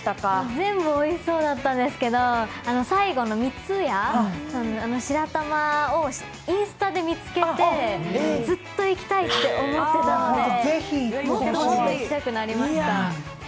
全部おいしそうだったんですけど最後のみつやさんの白玉をインスタで見つけて、ずっと行きたいって思っていたので、もっともっと行きたくなりました。